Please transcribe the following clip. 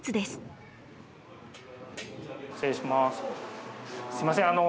すいません